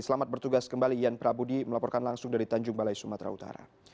selamat bertugas kembali ian prabudi melaporkan langsung dari tanjung balai sumatera utara